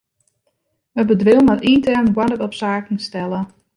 It bedriuw moat yntern oarder op saken stelle.